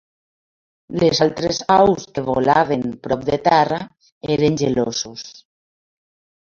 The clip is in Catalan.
Les altres aus que volaven prop de terra eren gelosos.